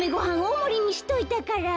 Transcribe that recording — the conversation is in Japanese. おおもりにしといたから」。